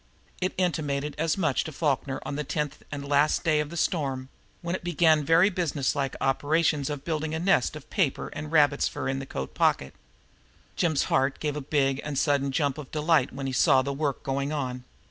It intimated as much to Falkner on the tenth and last day of the storm, when it began very business like operations of building a nest of paper and rabbits' fur in the coat pocket. Jim's heart gave a big and sudden jump of delight when he saw the work going on.